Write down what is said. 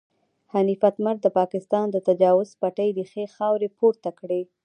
حنیف اتمر د پاکستان د تجاوز پټې ریښې خاورې پورته کړې.